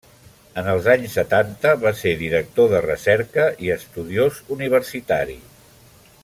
En els anys setanta va ser director de recerca i estudiós universitari.